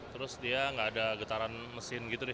terus dia nggak ada getaran mesin gitu deh